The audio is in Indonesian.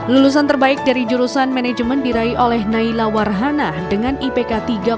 lulusan terbaik dari jurusan manajemen diraih oleh naila warhana dengan ipk tiga